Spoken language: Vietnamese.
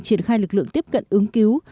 triển khai lực lượng tiếp cận ứng cứu